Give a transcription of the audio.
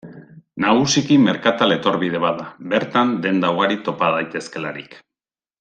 Nagusiki merkatal etorbide bat da, bertan denda ugari topa daitezkeelarik.